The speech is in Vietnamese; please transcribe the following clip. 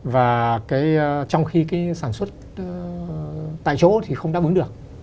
và trong khi cái sản xuất tại chỗ thì không đáp ứng được